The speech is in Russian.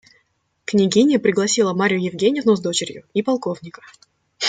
Княгиня пригласила Марью Евгеньевну с дочерью и полковника.